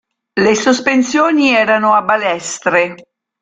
Le sospensioni erano a balestre.